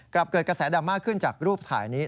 กลับเกิดกระแสดัมมากขึ้นจากรูปถ่ายนี้